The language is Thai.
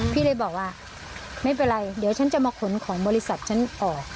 พี่เลยบอกว่าไม่เป็นไรเดี๋ยวฉันจะมาขนของบริษัทฉันออก